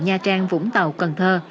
nha trang vũng tàu cần thơ